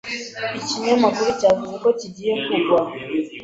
Ikinyamakuru cyavuze ko kigiye kugwa?